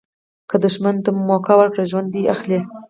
که دوښمن ته موکه ورکړي، ژوند دي اخلي.